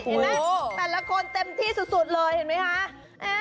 เห็นไหมแต่ละคนเต็มที่สุดเลยเห็นไหมคะ